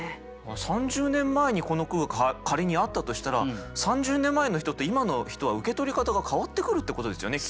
３０年前にこの句が仮にあったとしたら３０年前の人と今の人は受け取り方が変わってくるってことですよねきっと。